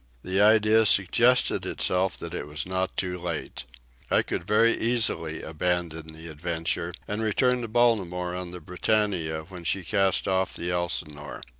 The idea suggested itself that it was not too late. I could very easily abandon the adventure and return to Baltimore on the Britannia when she cast off the Elsinore.